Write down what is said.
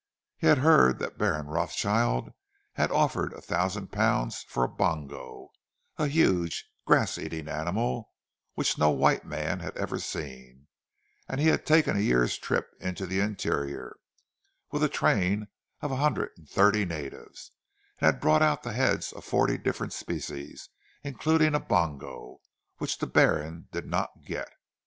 He had heard that Baron Rothschild had offered a thousand pounds for a "bongo," a huge grass eating animal, which no white man had ever seen; and he had taken a year's trip into the interior, with a train of a hundred and thirty natives, and had brought out the heads of forty different species, including a bongo—which the Baron did not get!